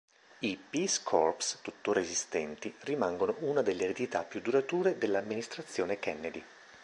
I "Peace Corps", tuttora esistenti, rimangono una delle eredità più durature dell'amministrazione Kennedy.